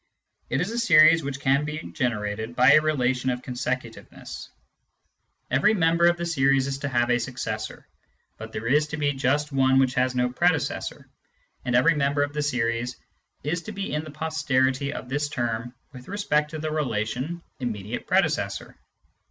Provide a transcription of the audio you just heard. It is a series which can be generated by a relation of consecutiveness : 6 82 Introduction to Mathematical Philosophy every member of the series is to have a successor, but there is to be just one which has no predecessor, and every member of the series is to be in the posterity of this term with respect to the relation "immediate predecessor."